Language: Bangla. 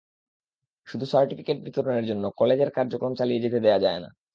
শুধু সার্টিফিকেট বিতরণের জন্য কলেজের কার্যক্রম চালিয়ে যেতে দেওয়া যায় না।